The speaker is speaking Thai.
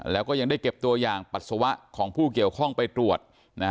แล้วก็ยังได้เก็บตัวอย่างปัสสาวะของผู้เกี่ยวข้องไปตรวจ